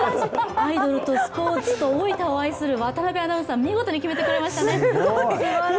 アイドルとスポーツと大分を愛する渡辺アナウンサー、見事に決めてくれましたね。